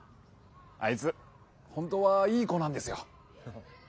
あいつ本当はいい子なんですよ。